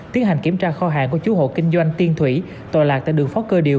tiến hành kiểm tra kho hàng của chú hộ kinh doanh tiên thủy tòa lạc tại đường phó cơ điều